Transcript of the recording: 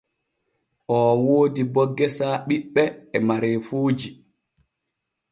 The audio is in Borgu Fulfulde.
Oo woodi bo gesa ɓiɓɓe e mareefuuji.